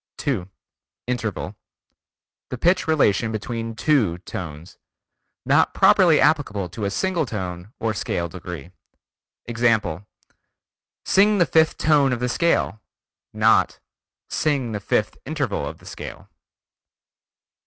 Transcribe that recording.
2. Interval: The pitch relation between two tones. Not properly applicable to a single tone or scale degree. Example: "Sing the fifth tone of the scale." Not "sing the fifth interval of the scale."